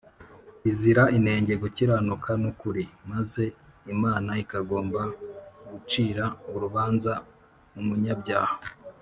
izira inenge (gukiranuka n'ukuri) maze Imana ikagomba gucira urubanza umunyabyaha.